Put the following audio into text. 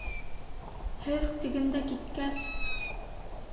Һеҙ тегендә киткәс...